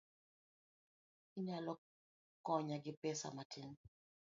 Inyalo konya gi pesa matin?